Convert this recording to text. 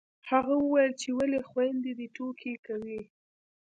هغه وويل چې ولې خویندې دې ټوکې کوي